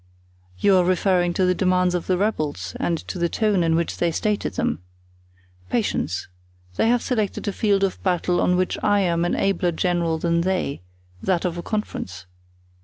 "You are referring to the demands of the rebels and to the tone in which they stated them? Patience! They have selected a field of battle on which I am an abler general than they—that of a conference.